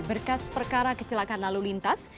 berkas perkara kecelakaan lalu lintas